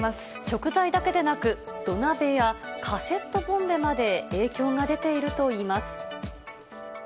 食材だけでなく、土鍋やカセットボンベまで影響が出ているといいます。